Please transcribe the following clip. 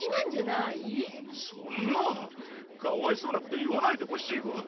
そんなかわいそうなこと言わないでほしいわ。